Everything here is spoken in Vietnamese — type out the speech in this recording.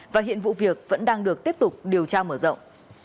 và hiện vụ việc vẫn đang được tiếp tục điều tra mở rộng